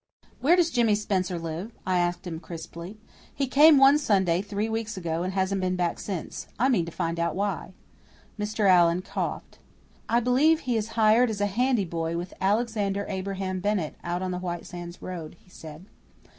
"Where does Jimmy Spencer live?" I asked him crisply. "He came one Sunday three weeks ago and hasn't been back since. I mean to find out why." Mr. Allan coughed. "I believe he is hired as handy boy with Alexander Abraham Bennett, out on the White Sands road," he said.